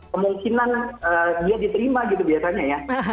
kemungkinan dia diterima gitu biasanya ya